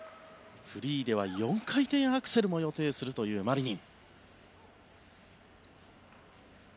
フリーでは４回転アクセルも予定するというマリニン。